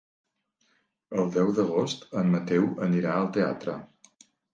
El deu d'agost en Mateu anirà al teatre.